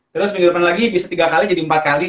terus minggu depan lagi bisa tiga kali jadi empat kali